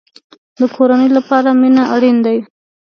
د کورنۍ لپاره مینه اړین ده